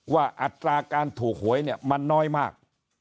อัตราการถูกหวยเนี่ยมันน้อยมาก